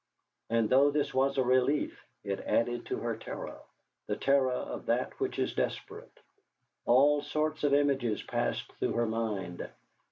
And though this was a relief, it added to her terror the terror of that which is desperate. All sorts of images passed through her mind.